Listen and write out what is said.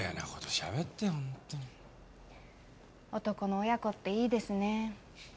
男の親子っていいですね。